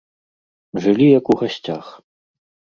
Жылі, як у гасцях.